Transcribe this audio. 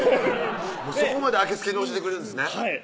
そこまであけすけに教えてくれるんですね